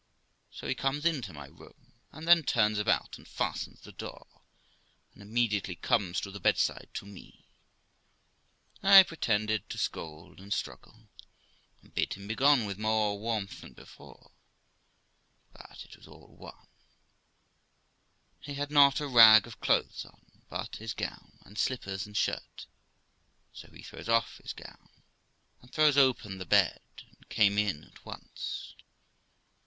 So he comes into my room, and then turns about and fastens the door, and immediately comes to the bedside to me. I pretended to scold and struggle, and bid him begone with more warmth than before; but it was all one; he had not a rag of clothes on but his gown, and slippers, and shirt, so he throws off his gown, and throws open the bed, and came in at once.